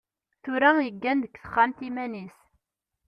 Tura iggan deg texxamt iman-is.